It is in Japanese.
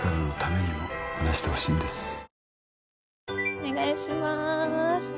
お願いします。